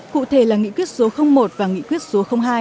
cụ thể là nghị quyết số một và nghị quyết số hai